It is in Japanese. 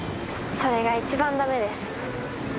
それが一番駄目です。